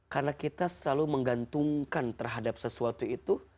karena kita selalu menggantungkan terhadap sesuatu itu